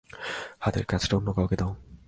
হাতের কাজটা অন্য কাউকে দাও।